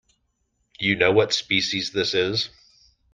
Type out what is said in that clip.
Do you know what species this is?